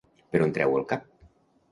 Per on treu el cap?